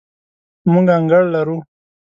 موږ انګړ لرو